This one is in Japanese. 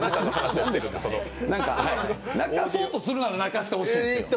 泣かそうとするなら泣かしてほしい。